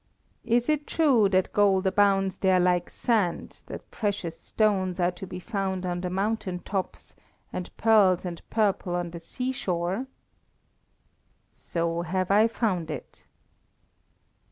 "Is it true that gold abounds there like sand, that precious stones are to be found on the mountain tops, and pearls and purple on the seashore?" "So have I found it."